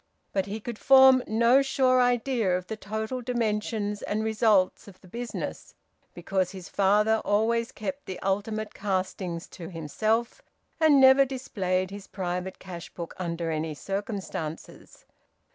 But he could form no sure idea of the total dimensions and results of the business, because his father always kept the ultimate castings to himself, and never displayed his private cash book under any circumstances.